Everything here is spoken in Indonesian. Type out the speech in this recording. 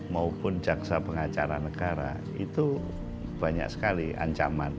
maupun jaksa pengacara negara itu banyak sekali ancaman